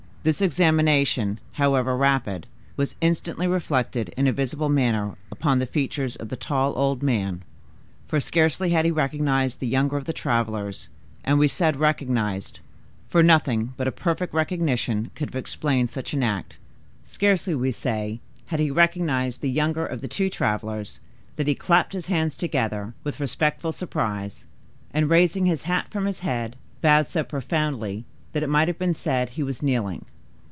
This examination, however rapid, was instantly reflected in a visible manner upon the features of the tall old man. For scarcely had he recognized the younger of the travelers—and we said recognized, for nothing but a perfect recognition could have explained such an act—scarcely, we say, had he recognized the younger of the two travelers, than he clapped his hands together, with respectful surprise, and, raising his hat from his head, bowed so profoundly that it might have been said he was kneeling.